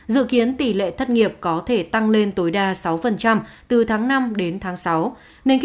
dự kiến tỷ lệ thất nghiệp có thể tăng lên tối đa sáu từ tháng năm đến tháng sáu